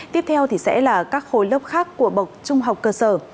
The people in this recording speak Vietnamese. tiếp theo thì sẽ là các khối lớp khác của bậc trung học cơ sở